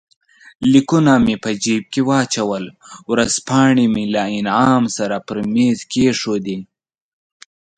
لیکونه مې په جېب کې واچول، ورځپاڼې مې له انعام سره پر مېز کښېښودې.